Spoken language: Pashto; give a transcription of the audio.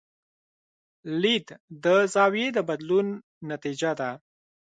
لید د زاویې د بدلون نتیجه ده.